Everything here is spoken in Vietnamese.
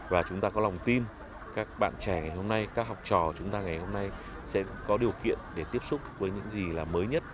và chúng ta có lòng tin các bạn trẻ ngày hôm nay các học trò chúng ta ngày hôm nay sẽ có điều kiện để tiếp xúc với những gì là mới nhất